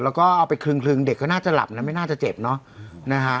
แล้วก็เอาไปคลึงเด็กก็น่าจะหลับนะไม่น่าจะเจ็บเนอะนะฮะ